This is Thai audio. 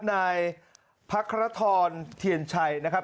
ในพักธรทรเทียนชัยนะครับ